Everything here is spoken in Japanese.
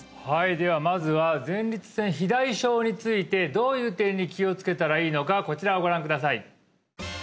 はいではまずは前立腺肥大症についてどういう点に気をつけたらいいのかこちらをご覧ください